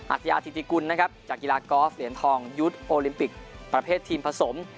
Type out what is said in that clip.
ทยาธิติกุลนะครับจากกีฬากอล์ฟเหรียญทองยุทธ์โอลิมปิกประเภททีมผสม